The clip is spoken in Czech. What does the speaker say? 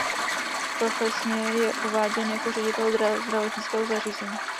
Profesně je uváděn jako ředitel zdravotnického zařízení.